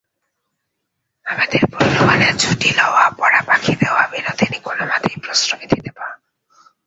আমোদের প্রলোভনে ছুটি লওয়া, পড়া ফাঁকি দেওয়া, বিনোদিনী কোনোমতেই প্রশ্রয় দিত না।